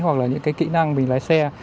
hoặc là những kỹ năng mình lái xe